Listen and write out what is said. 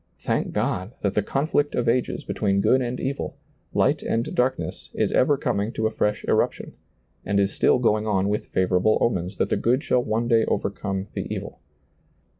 Thank God that the conflict of ages between good and evil, light and darkness, is ever coming to a fresh eruption, and is still going on with favorable omens that the good shall one day overcome the evil.